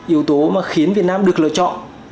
yếu tố mà khiến việt nam được lựa chọn